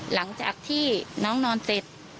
หลังจากที่น้องนอนเสร็จ